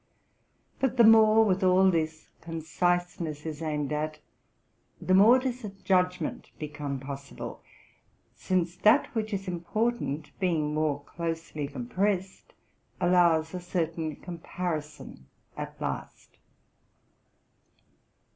But the more, with all this, conciseness is aimed at, the more does a judgment become possible; since that which is im portant, being more closely compressed, allows a certain comparison at last.